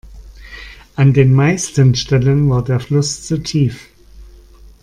An den meisten Stellen war der Fluss zu tief.